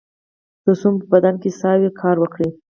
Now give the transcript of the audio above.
تر څو مو په بدن کې ساه وي کار وکړئ